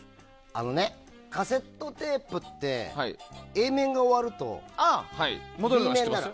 あのね、カセットテープってＡ面が終わるとＢ面なの。